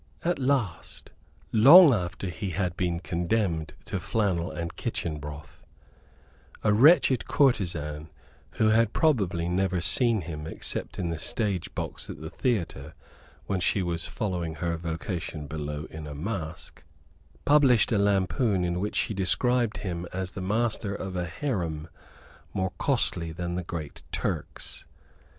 At last, long after he had been condemned to flannel and chicken broth, a wretched courtesan, who had probably never seen him except in the stage box at the theatre, when she was following her vocation below in a mask, published a lampoon in which she described him as the master of a haram more costly than the Great Turk's.